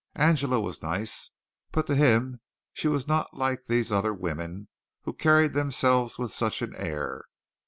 Angela was nice, but to him she was not like these other women who carried themselves with such an air.